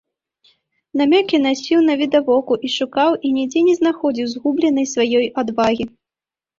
Намёкі насіў навідавоку і шукаў і нідзе не знаходзіў згубленай сваёй адвагі.